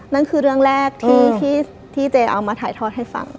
นั่นคือเรื่องแรกที่เจเอามาถ่ายทอดให้ฟัง